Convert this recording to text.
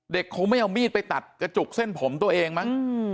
คงไม่เอามีดไปตัดกระจุกเส้นผมตัวเองมั้ง